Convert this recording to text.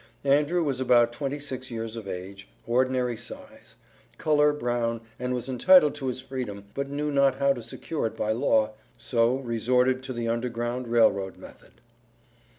Andrew was about twenty six years of age, ordinary size; color, brown, and was entitled to his freedom, but knew not how to secure it by law, so resorted to the Underground Rail Road method.